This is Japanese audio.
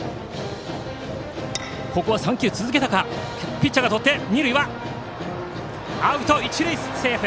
ピッチャーがとって二塁アウト、一塁はセーフ。